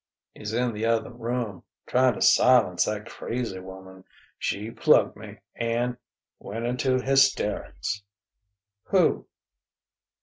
"He's in the other room ... trying to silence that crazy woman.... She plugged me and ... went into hysterics...." "Who?"